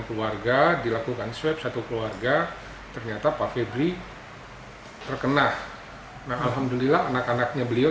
keluarga dilakukan swab satu keluarga ternyata pak febri terkena alhamdulillah anak anaknya beliau